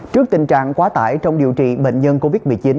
trước tình trạng quá tải trong điều trị bệnh nhân covid một mươi chín